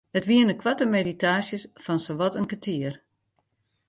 It wiene koarte meditaasjes fan sawat in kertier.